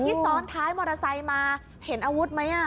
ที่สอนท้ายมอเตอร์ไซค์มาเห็นอาวุธมั้ยอะ